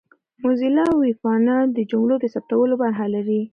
موزیلا ویبپاڼه د جملو د ثبتولو برخه لري.